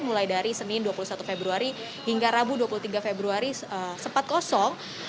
mulai dari senin dua puluh satu februari hingga rabu dua puluh tiga februari sempat kosong